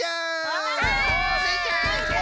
はい！スイちゃん！